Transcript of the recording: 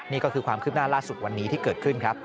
นี่ก็คือความคืบหน้าล่าสุดวันนี้ที่เกิดขึ้นครับ